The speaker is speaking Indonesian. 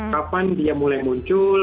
kapan dia mulai muncul